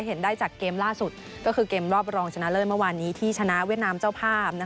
เห็นได้จากเกมล่าสุดก็คือเกมรอบรองชนะเลิศเมื่อวานนี้ที่ชนะเวียดนามเจ้าภาพ